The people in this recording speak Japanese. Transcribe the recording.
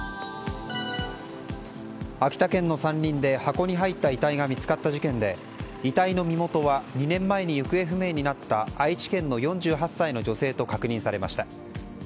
秋田県の山林で箱に入った遺体が見つかった事件で遺体の身元は２年前に行方不明になった愛知県の４８歳の女性と確認されました。